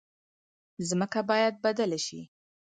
ځمکه باید بدله شي.